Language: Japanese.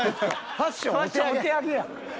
ファッションお手上げや。